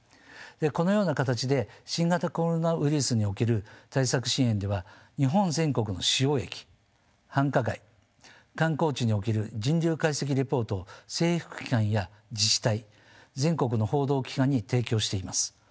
このような形で新型コロナウイルスにおける対策支援では日本全国の主要駅繁華街観光地における人流解析レポートを政府機関や自治体全国の報道機関に提供しています。